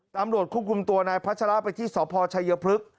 ตำรวจควบคุมตัวนายพัชระไปที่สพชัยพฤกษ์